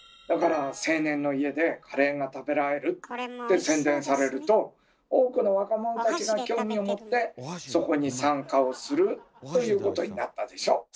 だから「青年の家でカレーが食べられる」って宣伝されると多くの若者たちに興味を持ってそこに参加をするということになったでしょ。